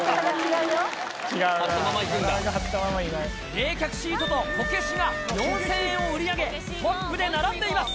冷却シートとこけしが４０００円を売り上げ、トップで並んでいます。